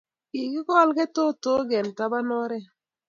Kogikol ketotok eng' tapan oret